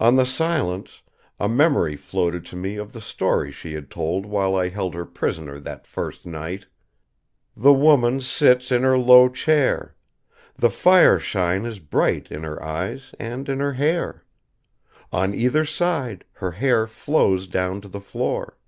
On the silence, a memory floated to me of the story she had told while I held her prisoner that first night: "_The woman sits in her low chair. The fire shine is bright in her eyes and in her hair. On either side, her hair flows down to the floor.